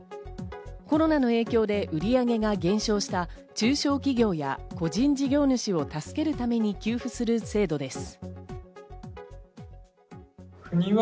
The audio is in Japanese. コロナの影響で売り上げが減少した中小企業や個人事業主を助けるために給付する制度です。